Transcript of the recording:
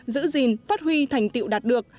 giữ gìn phát huy thành tiệu đạt được